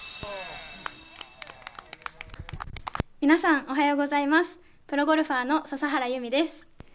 皆さん、おはようございますプロゴルファーの笹原優美です。